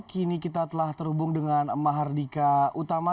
kini kita telah terhubung dengan mahardika utama